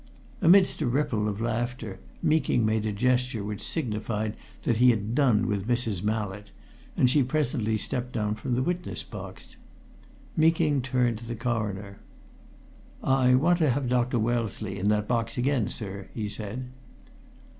Amidst a ripple of laughter Meeking made a gesture which signified that he had done with Mrs. Mallett, and she presently stepped down from the witness box. Meeking turned to the Coroner. "I want to have Dr. Wellesley in that box again, sir," he said.